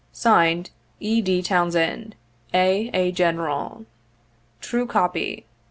'Signed, <E. D. TOWNSEND. A. A. General. " True copy.